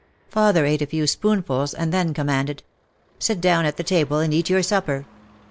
Father ate a few spoonfuls and then commanded: "Sit down at the table and eat your supper."